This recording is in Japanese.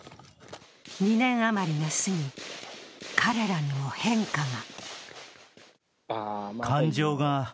２年余りが過ぎ、彼らにも変化が。